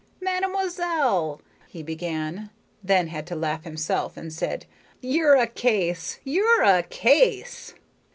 "Mademoiselle," he began, then had to laugh himself, and said: "You're a case! You're a case!"